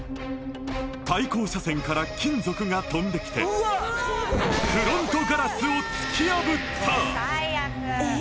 対向車線から金属が飛んできてフロントガラスを突き破った